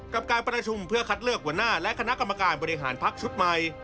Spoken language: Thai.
กับการประชุมเพื่อคัดเลือกหัวหน้าและคณะกรรมการบริหารพักชุดใหม่